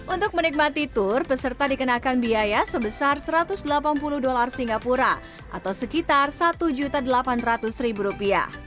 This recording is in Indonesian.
untuk menikmati tur peserta dikenakan biaya sebesar satu ratus delapan puluh dolar singapura atau sekitar rp satu delapan ratus